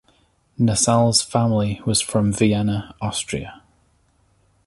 Nossal's family was from Vienna, Austria.